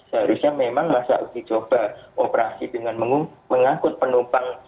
seharusnya memang masa uji coba operasi dengan mengangkut penumpang